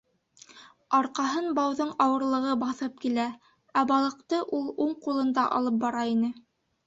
Арҡаһын бауҙың ауырлығы баҫып килә, ә балыҡты ул уң ҡулында алып бара ине.